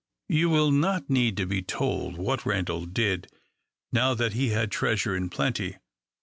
You will not need to be told what Randal did, now that he had treasure in plenty.